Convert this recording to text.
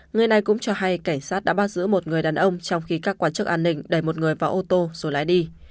người này cũng cho hay cảnh sát đã bắt giữ một người đàn ông trong khi các quan chức an ninh đẩy một người vào ô tô rồi lái đi